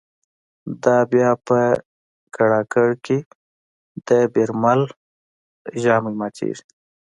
دا به بیا په کړاکړ کی د« بیربل» ژامی ماتیږی